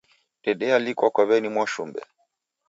Dedealikwa kwa w'eni Mwashumbe.